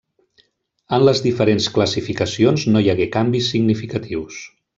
En les diferents classificacions no hi hagué canvis significatius.